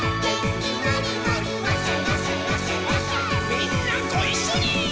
「みんなごいっしょにー！」